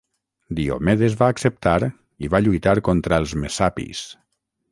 Diomedes va acceptar i va lluitar contra els messapis.